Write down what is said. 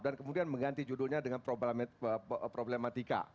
dan kemudian mengganti judulnya dengan problematik